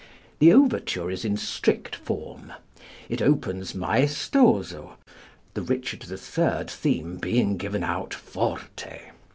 The overture is in strict form. It opens maestoso, the Richard III. theme being given out forte.